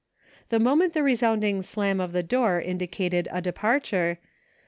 The moment the resounding slam of the door indi cated a departure.